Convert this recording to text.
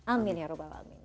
amin ya rabbal alamin